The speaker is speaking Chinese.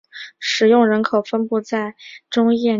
使用人口分布在中叶尼塞河盆地。